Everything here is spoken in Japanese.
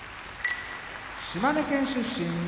島根県出身